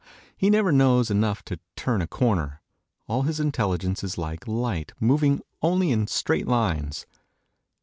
He never knows enough to turn a corner. All his intelligence is like light, moving only in straight lines.